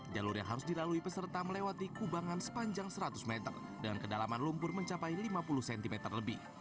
jalur yang harus dilalui peserta melewati kubangan sepanjang seratus meter dengan kedalaman lumpur mencapai lima puluh cm lebih